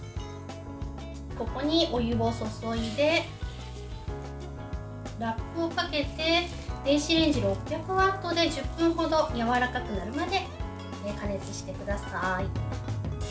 ここにお湯を注いでラップをかけて電子レンジで６００ワットで１０分ほど、やわらかくなるまで加熱してください。